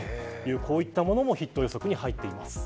こういったものもヒット予測に入っています。